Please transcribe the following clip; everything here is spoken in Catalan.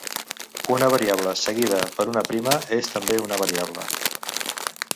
Una variable seguida per una prima és també una variable.